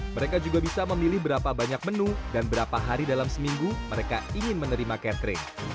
mereka juga bisa memilih berapa banyak menu dan berapa hari dalam seminggu mereka ingin menerima catering